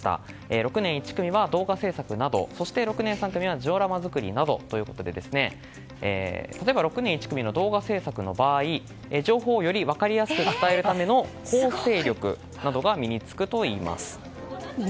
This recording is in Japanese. ６年１組は動画制作などそして、６年３組はジオラマ作りなどということで例えば６年１組の動画制作の場合は情報をより分かりやすく伝えるための構成力などが身に着くといいます。